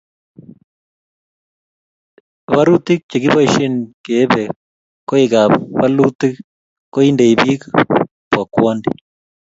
barutik che kiboisien keebe koikab bolutik ko indei biik bokwondi